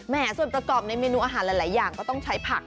ส่วนประกอบในเมนูอาหารหลายอย่างก็ต้องใช้ผัก